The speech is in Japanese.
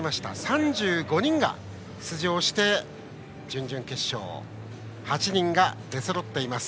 ３５人が出場して、準々決勝に８人が出そろっています。